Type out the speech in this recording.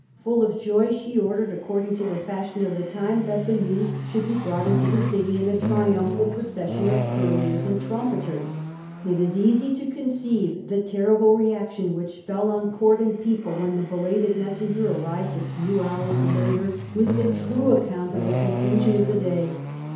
Full of joy, she ordered, accord ing to* the fashion of the time, that the hews should be brought into the city in a triumphal . procession of couriers and trumpeters. It is easy to conceive the terrible reaction which fell on court and people when the belated messenger arrived a few hours later, with the true account of the conclusion of the day.